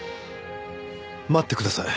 待ってください。